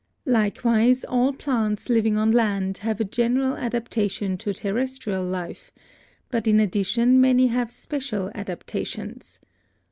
Likewise all plants living on land have a general adaptation to terrestrial life, but in addition many have special adaptations.